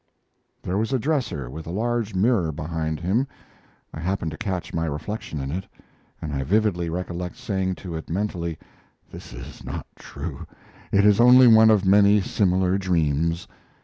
There was a dresser with a large mirror behind him. I happened to catch my reflection in it, and I vividly recollect saying to it mentally: "This is not true; it is only one of many similar dreams."